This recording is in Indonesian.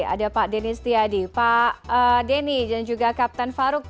ada pak denny setiadi pak denny dan juga kapten farouk